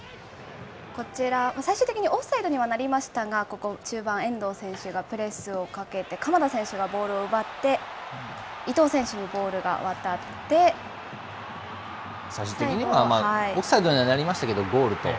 こちら、最終的にオフサイドにはなりましたが、ここ、中盤、遠藤選手がプレスをかけて鎌田選手がボールを奪って、伊東選手にボー最終的にはオフサイドになりましたけれども、ゴールと。